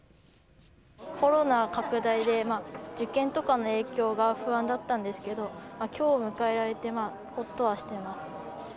コロナ拡大で受験とかの影響が不安だったんでけど、きょうを迎えられてほっとはしてます。